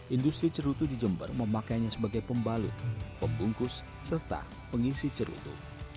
industri cerutu di jember memakainya sebagai pembalut pembungkus serta pengisi cerutu